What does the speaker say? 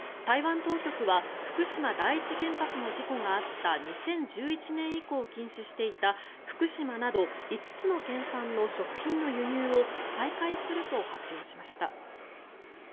台湾当局は福島第一原発の事故があった２０１１年以降禁止していた福島など５つの県産の食品の輸入を再開すると発表しました。